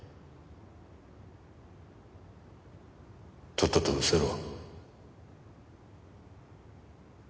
とっとと失せろ。